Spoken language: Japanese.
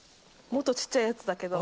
もっとちっちゃいやつだけど。